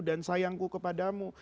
dan sayangku kepadamu